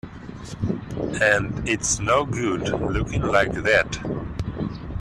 And it's no good looking like that.